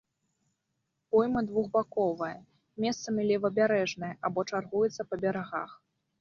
Пойма двухбаковая, месцамі левабярэжная або чаргуецца па берагах.